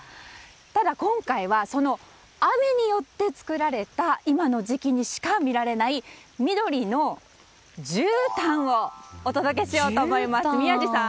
ただ、今回はその雨によって作られた今の時期にしか見られない緑のじゅうたんをお届けしようと思います。